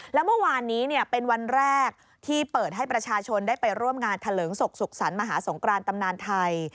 แล้วเมื่อวานนี้เป็นวันแรกที่เปิดให้ประชาชนได้ไปร่วมงานเถลิงศกสุขสรรค์มหาสงครานตำนานไทย